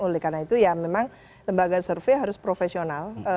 oleh karena itu ya memang lembaga survei harus profesional